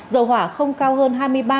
dầu hỏa không cao hơn